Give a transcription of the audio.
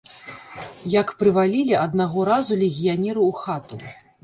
Як прывалілі аднаго разу легіянеры ў хату.